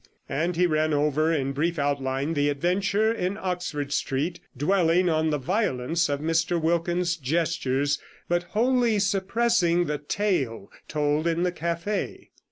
And he ran over in brief outline the adventure in Oxford Street, dwelling on the violence of Mr Wilkins's gestures, but wholly suppressing the tale told in the cafe.